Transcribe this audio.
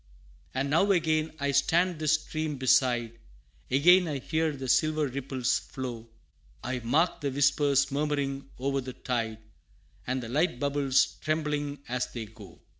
And now again I stand this stream beside; Again I hear the silver ripples flow I mark the whispers murmuring o'er the tide, And the light bubbles trembling as they go.